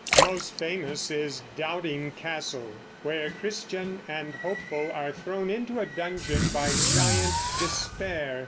Most famous is Doubting Castle, where Christian and Hopeful are thrown into a dungeon by Giant Despair.